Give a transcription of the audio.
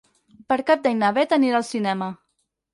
Per Cap d'Any na Bet anirà al cinema.